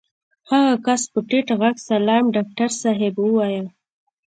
هغه کس په ټيټ غږ سلام ډاکټر صاحب ووايه.